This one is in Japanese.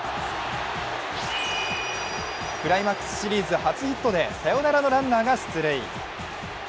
クライマックスシリーズ初ヒットでサヨナラのランナーが出塁。